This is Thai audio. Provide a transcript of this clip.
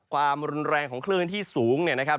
ความรุนแรงของคลื่นที่สูงเนี่ยนะครับ